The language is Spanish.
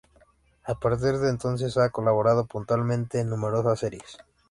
A partir de entonces ha colaborado puntualmente en numerosas series.